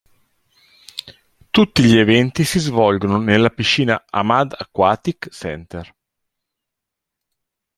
Tutti gli eventi si svolgono nella piscina Hamad Aquatic Centre.